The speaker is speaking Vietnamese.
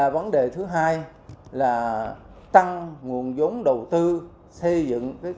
vấn đề thứ hai là tăng nguồn giống đầu tư xây dựng cơ sở hạ tầng